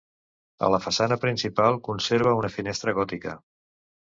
A la façana principal conserva una finestra gòtica.